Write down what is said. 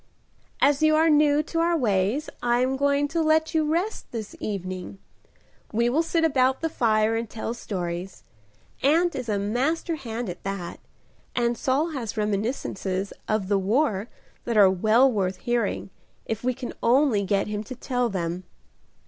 "As you are new to our ways I am going to let you rest this evening. We will sit about the fire and tell stories. Aunt is a master hand at that, and Saul has reminiscences of the war that are well worth hearing if we can only get him to tell them."